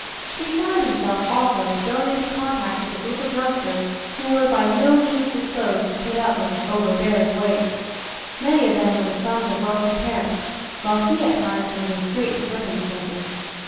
He found himself, also, thrown into contact with a group of youngsters who were by no means disposed to put up with his overbearing ways. Many of them were the sons of wealthy parents, while he at times was in straitened circumstances.